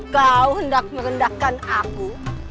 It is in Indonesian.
kau hendak merendahkan aku